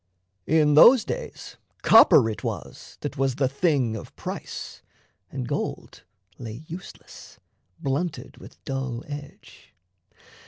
In those days Copper it was that was the thing of price; And gold lay useless, blunted with dull edge.